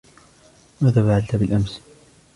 ماذا فَعَلتَ بِالأمس ؟